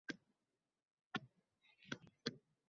Jismoniy shaxslarga avtokreditlar ajratish tartibi qanday?